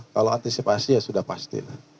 kalau antisipasi ya sudah pasti lah